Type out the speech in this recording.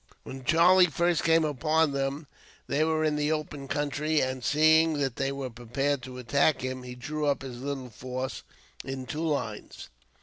When Charlie first came upon them they were in the open country; and, seeing that they were prepared to attack him, he drew up his little force in two lines.